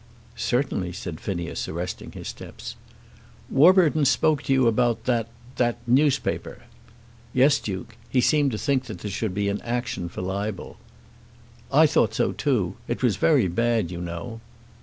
"Certainly," said Phineas, arresting his steps. "Warburton spoke to you about that that newspaper." "Yes, Duke. He seemed to think that there should be an action for libel." "I thought so too. It was very bad, you know."